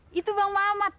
eh itu bang mamat